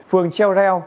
phường treo reo